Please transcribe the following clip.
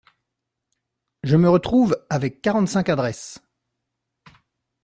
Je me retrouve avec quarante-cinq adresses.